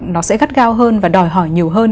nó sẽ gắt gao hơn và đòi hỏi nhiều hơn